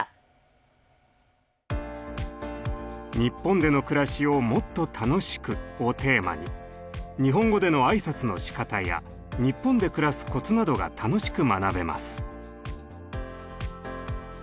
「日本での暮らしをもっと楽しく！」をテーマに日本語での挨拶のしかたや日本で暮らすコツなどが楽しく学べます。